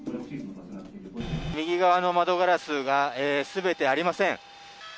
右側の窓ガラスがすべてありません。